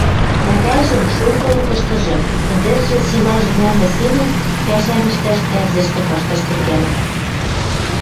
Ӓвӓжӹн шонгылыкыштыжы ӹдӹржӹ силажы нӓлмӹ семӹнь пӓшӓм ӹштӓш, тӓрзӹштӹ кашташ тӹнгӓлӹн.